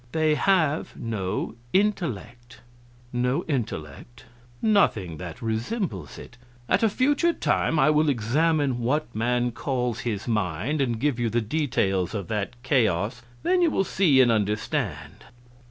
They have no intellect." "No intellect?" "Nothing that resembles it. At a future time I will examine what man calls his mind and give you the details of that chaos, then you will see and understand.